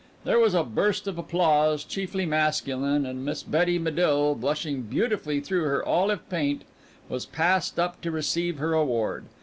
There was a burst of applause, chiefly masculine, and Miss Betty Medill, blushing beautifully through her olive paint, was passed up to receive her award.